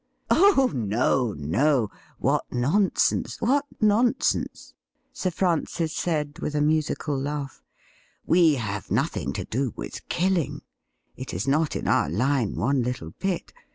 ' Oh, no, no ! what nonsense — what nonsense !' Sir Francis said with a musical laugh. 'We have nothing to do with killing. It is not in our line one little bit.